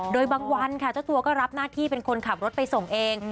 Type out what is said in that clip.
โดยบางวันค่ะเจ้าตัวก็รับหน้าที่เป็นคนขับรถไปส่งเอง